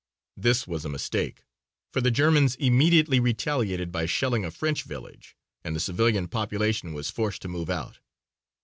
This was a mistake, for the Germans immediately retaliated by shelling a French village and the civilian population was forced to move out.